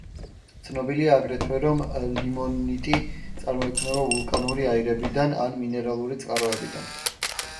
ცნობილია აგრეთვე, რომ ლიმონიტი წარმოიქმნება ვულკანური აირებიდან ან მინერალური წყაროებიდან.